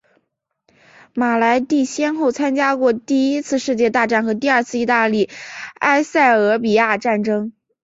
马莱蒂先后参加过第一次世界大战和第二次意大利埃塞俄比亚战争。